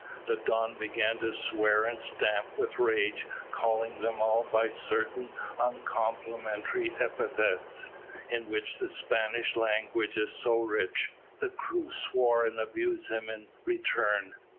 The Don began to swear and stamp with rage, calling them all by certain uncomplimentary epithets, in which the Spanish language is so rich. The crew swore and abused him in return.